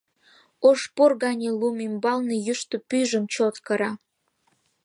Ош пор гане лум ӱмбалне йӱштӧ пӱйжым чот кыра.